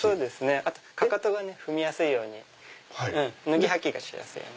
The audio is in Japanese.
あとかかとが踏みやすいように脱ぎ履きがしやすい。